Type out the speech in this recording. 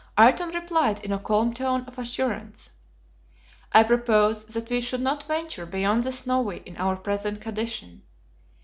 Ayrton replied in a calm tone of assurance: "I propose that we should not venture beyond the Snowy in our present condition.